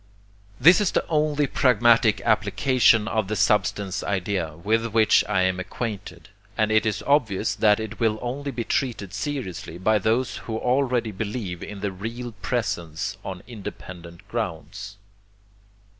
This is the only pragmatic application of the substance idea with which I am acquainted; and it is obvious that it will only be treated seriously by those who already believe in the 'real presence' on independent grounds.